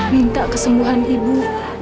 minta kesembuhan ibu